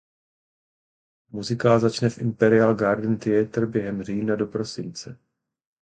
Muzikál začne v Imperial Garden Theater během října do prosince.